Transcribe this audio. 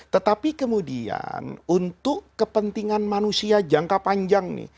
tetapi kemudian untuk kepentingan manusia jangka panjang nih